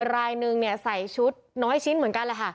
รายหนึ่งใส่ชุดน้อยชิ้นเหมือนกัน